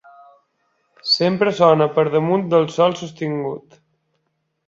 Sempre sona per damunt del sol sostingut.